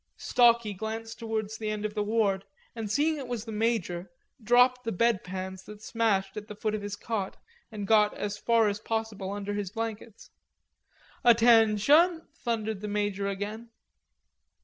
Stalky glanced towards the end of the ward, and seeing it was the major, dropped the bed pans that smashed at the foot of his cot, and got as far as possible under his blankets. "Attention!" thundered the major again.